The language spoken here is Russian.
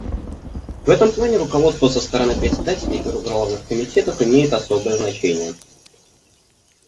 В этом плане руководство со стороны председателей и бюро главных комитетов имеет особое значение.